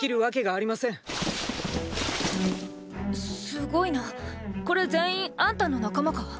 すごいなこれ全員アンタの仲間か？